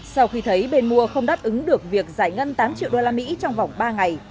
sau khi thấy bên mua không đáp ứng được việc giải ngân tám triệu đô la mỹ trong vòng ba ngày